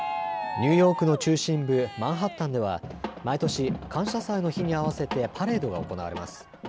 ニューヨークの中心部、マンハッタンでは毎年、感謝祭の日に合わせてパレードが行われます。